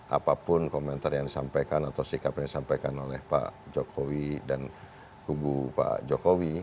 apapun komentar yang disampaikan atau sikap yang disampaikan oleh pak jokowi dan kubu pak jokowi